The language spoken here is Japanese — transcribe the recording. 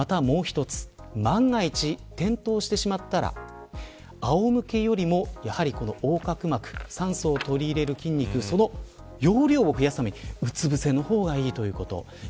万が一、転倒してしまったらあおむけよりも酸素を取り入れる筋肉その容量を増やすためにうつぶせの方がいい。